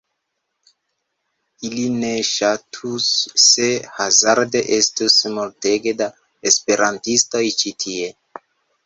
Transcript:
Ili ne ŝatus se hazarde estus multege da esperantistoj ĉi tie.